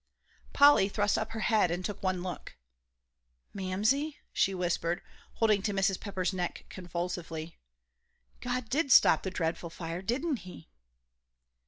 Polly thrust up her head and took one look. "Mamsie," she whispered, holding to Mrs. Pepper's neck convulsively, "God did stop the dreadful fire, didn't He?"